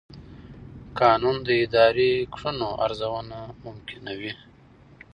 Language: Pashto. قانون د اداري کړنو ارزونه ممکنوي.